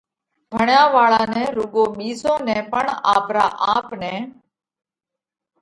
ڀڻيا واۯا نہ رُوڳو ٻِيزون نئہ پڻ آپرا آپ نئہ